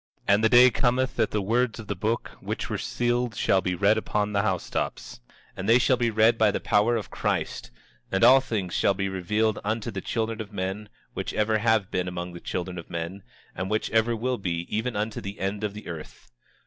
27:11 And the day cometh that the words of the book which were sealed shall be read upon the house tops; and they shall be read by the power of Christ; and all things shall be revealed unto the children of men which ever have been among the children of men, and which ever will be even unto the end of the earth.